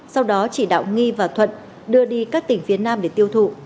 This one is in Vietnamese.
sau đó chỉ đạo nghi và thuận đưa đi các tỉnh phía nam để tiêu thụ